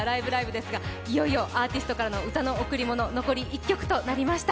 ですが、いよいよアーティストからの歌の贈り物いよいよ残り１曲となりました。